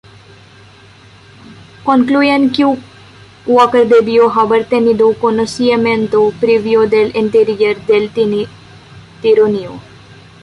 Concluyen que Walker debió haber tenido conocimiento previo del interior del tiroteo.